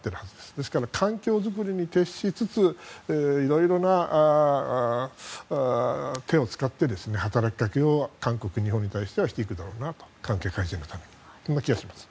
ですから環境作りに徹しつついろいろな手を使って働きかけを韓国、日本に対してはしていくだろうなというそんな気がします。